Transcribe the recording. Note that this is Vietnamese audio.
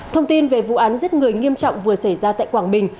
thông tin về vụ án giết người nghiêm trọng vừa xảy ra tại quảng bình